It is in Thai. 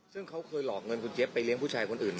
ซึ่งเขาเคยหลอกเงินคุณเจ๊บไปเลี้ยงผู้ชายคนอื่น